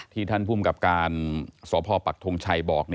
ท่านภูมิกับการสพปักทงชัยบอก